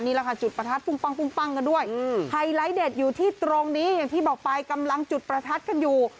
แหละค่ะจุดประทัดปุ้งปั้งกันด้วยไฮไลท์เด็ดอยู่ที่ตรงนี้อย่างที่บอกไปกำลังจุดประทัดกันอยู่